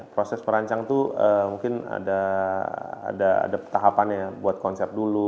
proses perancang itu mungkin ada tahapannya buat konsep dulu